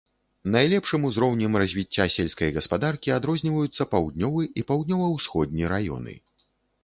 Найлепшым узроўнем развіцця сельскай гаспадаркі адрозніваюцца паўднёвы і паўднёва-ўсходні раёны.